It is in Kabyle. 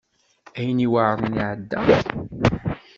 Ayen iweɛṛen iɛedda.